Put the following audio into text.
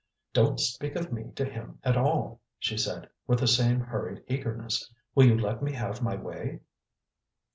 "Don't speak of me to him at all," she said, with the same hurried eagerness. "Will you let me have my way?"